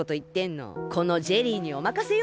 このジェリーにおまかせよ！